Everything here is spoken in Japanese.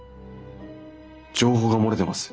情報が漏れてます。